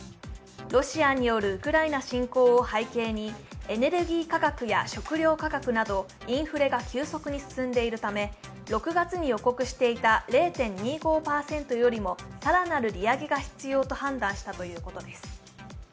ロシアによるウクライナ侵攻を背景に、エネルギー価格や食料価格などインフレが急速に進んでいるため６月に予告していた０．２５％よりも更なる利上げが必要と判断したということです。